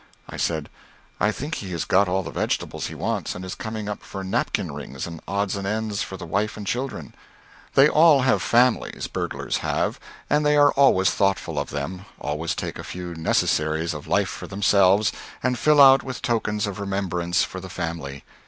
I said, "I think he has got all the vegetables he wants and is coming up for napkin rings and odds and ends for the wife and children. They all have families burglars have and they are always thoughtful of them, always take a few necessaries of life for themselves, and fill out with tokens of remembrance for the family.